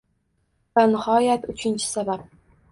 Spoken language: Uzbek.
Va nihoyat, uchinchi sabab